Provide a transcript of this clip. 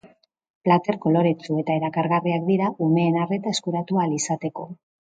Plater koloretsu eta erakargarriak dira, umeen arreta eskuratu ahal izateko.